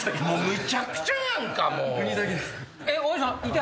むちゃくちゃやんか！